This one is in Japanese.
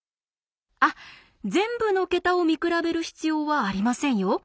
あっ全部の桁を見比べる必要はありませんよ。